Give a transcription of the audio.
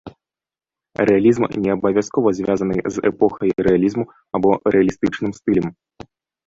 Рэалізм не абавязкова звязаны з эпохай рэалізму або рэалістычным стылем.